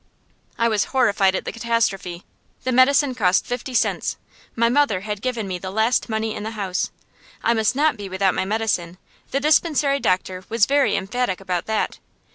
I was horrified at the catastrophe. The medicine cost fifty cents. My mother had given me the last money in the house. I must not be without my medicine; the dispensary doctor was very emphatic about that.